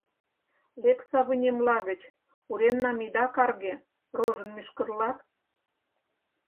— Лекса вынемла гыч, уремнам ида карге, рожын мӱшкырлак!